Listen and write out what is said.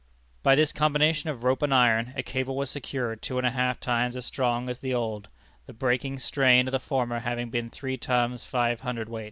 By this combination of rope and iron, a cable was secured two and a half times as strong as the old the breaking strain of the former having been three tons five cwt.